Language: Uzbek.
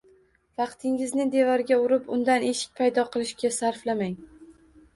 «Vaqtingizni devorga urib, undan eshik paydo qilishga sarflamang